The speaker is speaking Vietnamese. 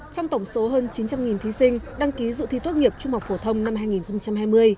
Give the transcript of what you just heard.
trong tổng số hơn chín trăm linh thí sinh đăng ký dự thi tốt nghiệp trung học phổ thông năm hai nghìn hai mươi